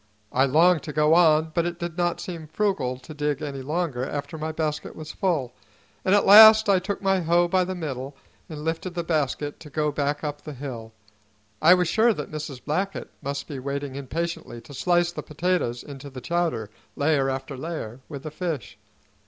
I longed to go on; but it did not seem frugal to dig any longer after my basket was full, and at last I took my hoe by the middle and lifted the basket to go back up the hill. I was sure that Mrs. Blackett must be waiting impatiently to slice the potatoes into the chowder, layer after layer, with the fish.